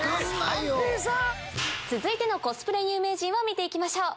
続いてのコスプレ有名人を見て行きましょう。